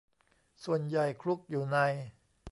ส่วนใหญ่คลุกอยู่ใน